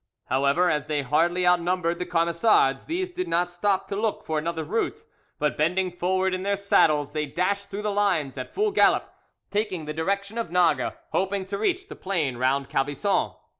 However, as they hardly outnumbered the Camisards, these did not stop to look for another route, but bending forward in their saddles, they dashed through the lines at full gallop, taking the direction of Nages, hoping to reach the plain round Calvisson.